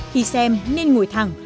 khi xem nên ngồi thẳng